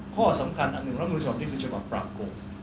ข้อสำคัญอังหนึ่งมันเฉพาะปรากฏ